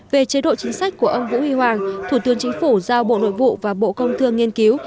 về chế độ chính sách của ông vũ huy hoàng thủ tướng chính phủ giao bộ nội vụ và bộ công thương nghiên cứu